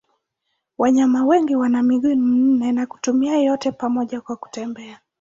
Wanyama wengi wana miguu minne na kuitumia yote pamoja kwa kutembea.